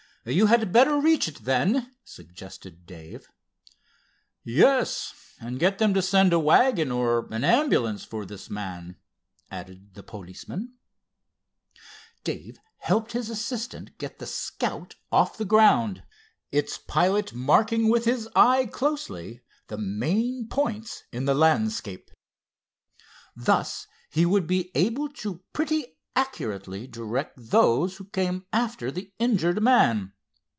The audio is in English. "You had better reach it, then," suggested Dave. "Yes, and get them to send a wagon, or an ambulance, for this man," added the policeman. Dave helped his assistant get the Scout off the ground, its pilot marking with his eye closely the main points in the landscape. Thus he would be able to pretty accurately direct those who came after the injured man.